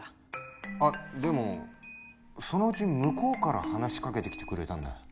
あっでもそのうち向こうから話しかけてきてくれたんだ。